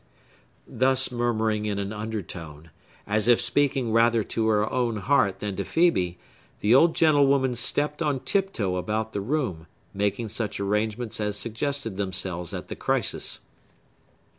Thus murmuring in an undertone, as if speaking rather to her own heart than to Phœbe, the old gentlewoman stepped on tiptoe about the room, making such arrangements as suggested themselves at the crisis.